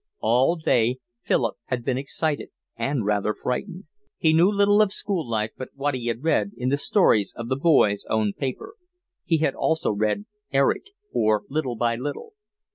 All day Philip had been excited and rather frightened. He knew little of school life but what he had read in the stories of The Boy's Own Paper. He had also read Eric, or Little by Little.